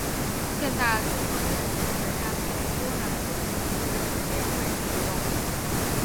现在这座建筑仍然由波兰建筑师协会使用。